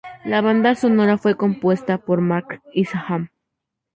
La banda sonora fue compuesta por Mark Isham.